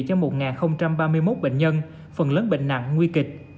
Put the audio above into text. cho một ba mươi một bệnh nhân phần lớn bệnh nặng nguy kịch